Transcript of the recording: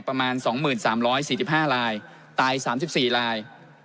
ประมาณสองหมื่นสามร้อยสี่ดิบห้าลายตายสามสิบสี่ลาย